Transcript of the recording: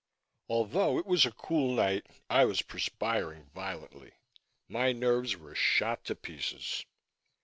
Although it was a cool night, I was perspiring violently. My nerves were shot to pieces.